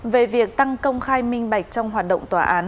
về việc tăng công khai minh bạch trong hoạt động tòa án